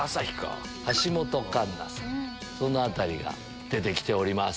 その辺りが出て来ております。